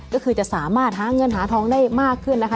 ก็คือจะสามารถหาเงินหาทองได้มากขึ้นนะคะ